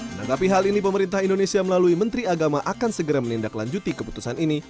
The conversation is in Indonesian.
menanggapi hal ini pemerintah indonesia melalui menteri agama akan segera menindaklanjuti keputusan ini